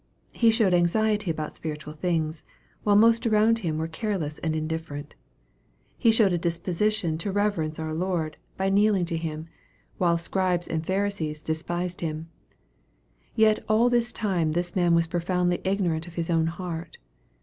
He showed anxiety about spiritual things, while most around him were careless and indifferent. He showed a disposition to reverence our Lord, by 208 EXPOSITORY THOUGHTS. kneeling to Him, while Scribes and Pharisees despised Him. Yet all this time this man was profoundly igno rant of his own heart.